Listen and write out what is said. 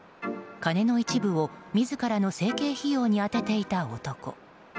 金の一部を自らの整形費用に充てていた男。